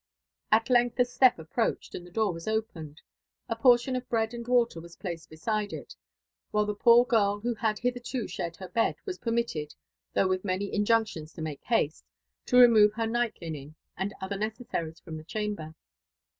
At length a step approached, and the door was opened. A portion of bread and water was placed beside her ; while the poor girl who had hitherto shared her bed was permitted, though with many injunctions to make haste, to remove her night linen and other ne cessaries from the chamber.